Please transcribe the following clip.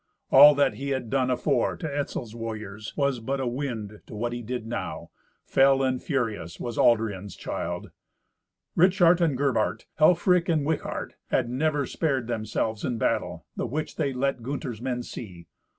All that he ha done afore to Etzel's warriors was but a wind to what he did now; fell and furious was Aldrian's child. Ritschart and Gerbart, Helfrich and Wichart, had never spared themselves in battle, the which they let Gunther's men see.